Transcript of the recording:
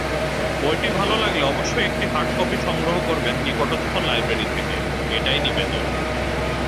বইটি ভালো লাগলে অবশ্যই একটি হার্ডকপি সংগ্রহ করবেন নিকটস্থ লাইব্রেরী থেকে- এটাই নিবেদন।